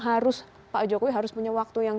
harus pak jokowi harus punya waktu yang